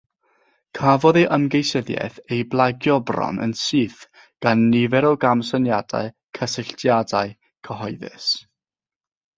Cafodd ei ymgeisyddiaeth ei blagio bron yn syth gan nifer o gamsyniadau cysylltiadau cyhoeddus.